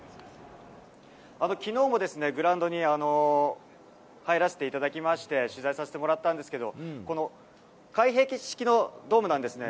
きのうもグラウンドに入らせていただきまして、取材させてもらったんですけど、この開閉式のドームなんですね。